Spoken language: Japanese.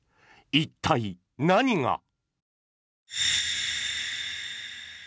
一体、何が？